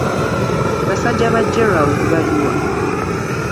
Basajja ba Gerald baluwa?